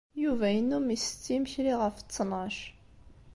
Yuba yennum isett imekli ɣef ttnac.